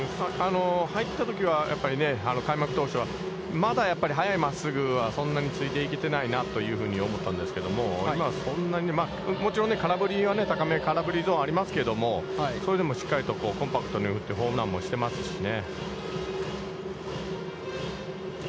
入ったときはやっぱり開幕当初は、まだやっぱり速い真っすぐはそんなについていけてないなというふうに思ったんですけど今はそんなに、もちろん空振りは、高め、空振りのゾーンはありますけれどもそれでもしっかりとコンパクトに振って、ホームランもしてますしね。